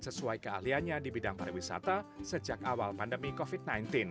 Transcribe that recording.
sesuai keahliannya di bidang pariwisata sejak awal pandemi covid sembilan belas